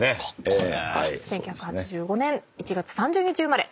１９８５年１月３０日生まれ。